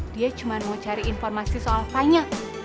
dia cuma mau cari informasi soal banyak